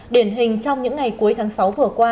điển hình trong những ngày cuối tháng sáu vừa qua